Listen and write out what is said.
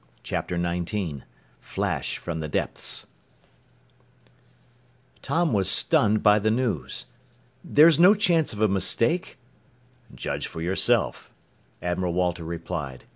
CHAPTER XIX FLASH FROM THE DEPTHS Tom was stunned by the news. "There's no chance of a mistake?" "Judge for yourself," Admiral Walter replied.